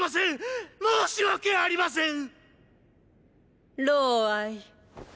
申し訳ありません！。！